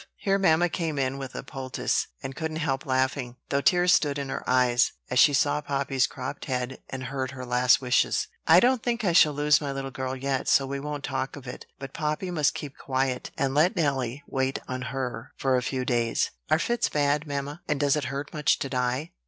Here mamma came in with a poultice, and couldn't help laughing, though tears stood in her eyes, as she saw Poppy's cropped head and heard her last wishes. "I don't think I shall lose my little girl yet, so we won't talk of it. But Poppy must keep quiet, and let Nelly wait on her for a few days." "Are fits bad, mamma? and does it hurt much to die?"